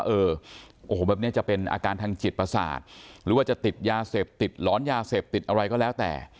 เออโอ้โหแบบนี้จะเป็นอาการทางจิตประสาทหรือว่าจะติดยาเสพติดหลอนยาเสพติดอะไรก็แล้วแต่